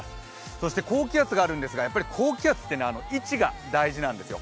そして高気圧があるんですが高気圧は位置が大事なんですよ。